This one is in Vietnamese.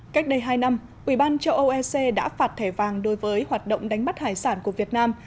cách đây hai năm ubnd châu âu ec đã phạt thẻ vàng đối với hoạt động đánh bắt hải sản của việt nam